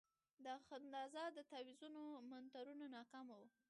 د اخندزاده د تاویزونو منترونه ناکامه وو.